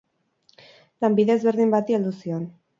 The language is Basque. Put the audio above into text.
Lanbide ezberdin bati heldu zion.